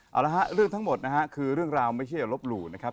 เอาละฮะเรื่องทั้งหมดนะฮะคือเรื่องราวไม่เชื่ออย่าลบหลู่นะครับ